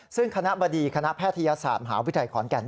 ซึ่งคณะบดีคณะแพทยศาสตร์มหาวิทยาลัยขอนแก่น